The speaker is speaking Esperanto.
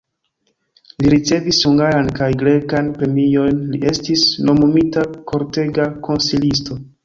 Li ricevis hungaran kaj grekan premiojn, li estis nomumita kortega konsilisto.